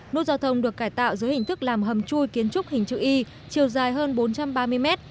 nút giao thông được cải tạo dưới hình thức làm hầm chui kiến trúc hình chữ y chiều dài hơn bốn trăm ba mươi mét